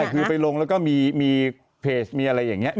คือไปลงแล้วก็มีเพจมีอะไรอย่างนี้